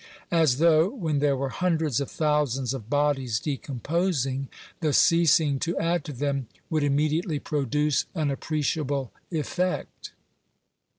As though, when there were hundreds of thousands of bodies decomposing, the ceasing to add to them would immediately produce an appreciable effect